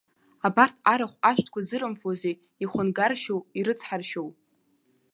Абарҭ арахә ашәҭқәа зырымфозеи, ихәынгаршьоу, ирыцҳаршьоу?